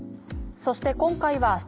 そして今回は。